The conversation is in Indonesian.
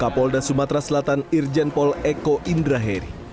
kapolda sumatera selatan irjenpol eko indraheri